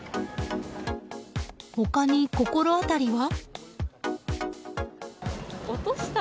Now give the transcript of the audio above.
他に心当たりは？